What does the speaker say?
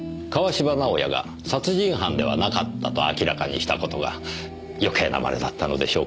芝直哉が殺人犯ではなかったと明らかにした事が余計なまねだったのでしょうか。